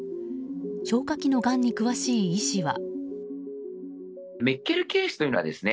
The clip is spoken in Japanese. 消化器のがんに詳しい医師は。